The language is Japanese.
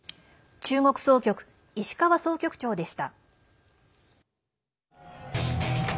中国総局、石川総局長でした。